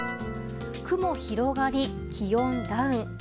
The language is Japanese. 雲広がり、気温ダウン。